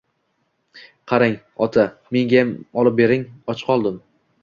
– Qarang, ota, mengayam olib bering, och qoldim.